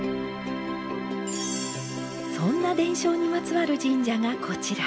そんな伝承にまつわる神社がこちら。